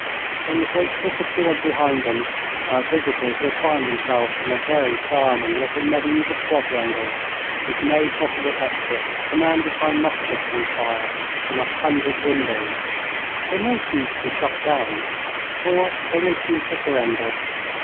When the gates are secured behind them, our visitors will find themselves in a very charming little mediaeval quadrangle, with no possible exit, commanded by musketry fire from a hundred windows. They may choose to be shot down; or they may choose to surrender.